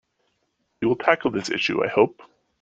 We will tackle this issue, I hope.